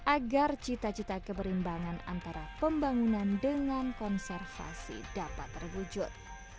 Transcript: agar cita cita keberimbangan antara pembangunan dengan konservasi dapat terwujud